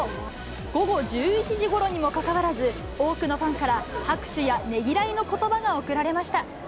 午後１１時ごろにもかかわらず、多くのファンから拍手やねぎらいのことばが送られました。